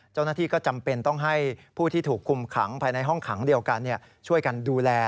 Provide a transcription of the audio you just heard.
เจ้าหน้าที่ก็จำเป็นต้องให้ผู้ที่ถูกคุมขังภายในห้องขังเดียวกันช่วยกันดูแล